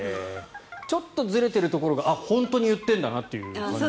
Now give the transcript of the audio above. ちょっとずれてるところが本当に言ってるんだなと。